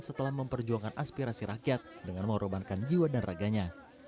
setelah memperjuangkan aspirasi rakyat dengan mengorbankan jiwa dan raganya